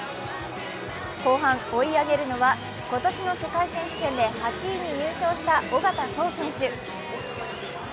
後半、追い上げるのは今年の世界選手権で８位に入賞した小方颯選手。